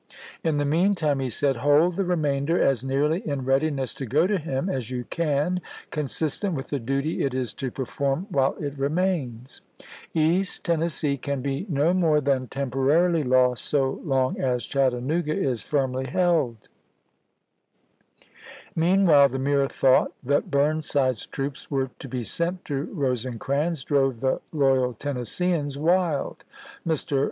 " In the mean time," he said, " hold the remainder as nearly in readiness to go to him as you can, consistent with the duty it is to perform while it remains. East Tennessee can be no more BUENSIDE IN TENNESSEE 167 than temporarily lost so loug as Chattanooga is chap.vi. firmly held." Lincoln to Bumeide, Meanwhile the mere thought that Burnside's iJfP'^ ^^^ troops were to be sent to Rosecrans drove the ^art^nf '' loyal Tennesseeans wild. Mr.